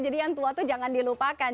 jadi yang tua itu jangan dilupakan